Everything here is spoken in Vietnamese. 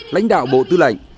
lãnh đạo bộ tư lệnh